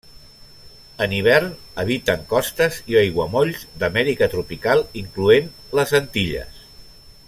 En hivern habiten costes i aiguamolls d'Amèrica tropical incloent les Antilles.